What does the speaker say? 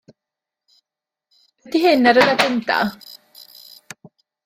Ydy hyn ar yr agenda?